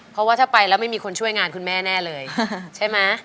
เพราะว่าถ้าไปแล้วไม่มีคนช่วยงานคุณแม่แน่เลยใช่ไหม